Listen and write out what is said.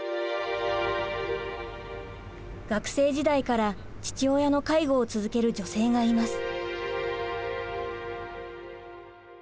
学生時代から父親の介護を続ける女性がいます。